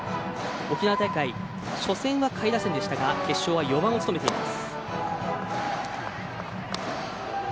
沖縄大会初戦は下位打線でしたが決勝は４番を務めています。